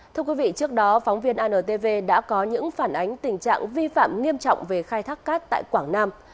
thưa quý vị trước đó phóng viên antv đã có những phản ánh tình trạng vi phạm nghiêm trọng về khai thác cát tại quảng nam